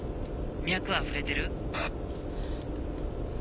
脈は触れてる？